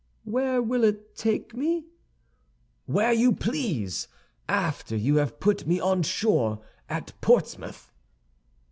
"Where will it take me?" "Where you please, after you have put me on shore at Portsmouth."